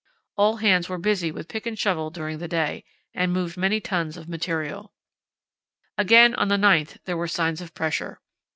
All hands were busy with pick and shovel during the day, and moved many tons of material. Again, on the 9th, there were signs of pressure.